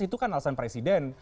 itu kan alasan presiden